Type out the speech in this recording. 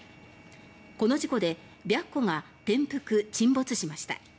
この事故で「白虎」が転覆・沈没しました。